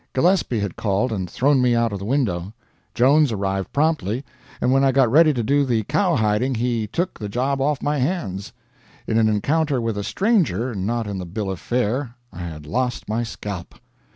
Gillespie had called and thrown me out of the window. Jones arrived promptly, and when I got ready to do the cowhiding he took the job off my hands. In an encounter with a stranger, not in the bill of fare, I had lost my scalp.